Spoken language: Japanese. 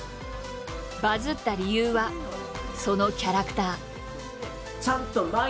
バズった理由はそのキャラクター。